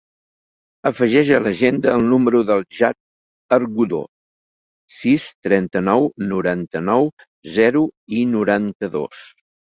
Afegeix a l'agenda el número del Jad Argudo: sis, trenta-nou, noranta-nou, zero, u, noranta-dos.